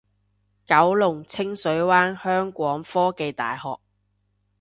九龍清水灣香港科技大學